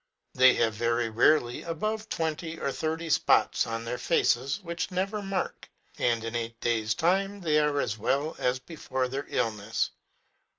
They have very rarely above twenty or thirty in their faces, which never mark ; and m eight days' time they are as well as before their illness.